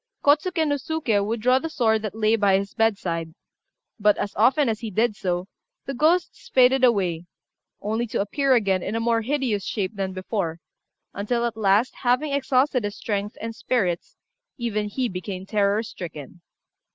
Kôtsuké no Suké would draw the sword that lay by his bedside; but, as often as he did so, the ghosts faded away, only to appear again in a more hideous shape than before, until at last, having exhausted his strength and spirits, even he became terror stricken.